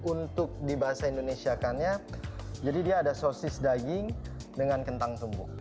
untuk di bahasa indonesia kannya jadi dia ada sosis daging dengan kentang tumbuk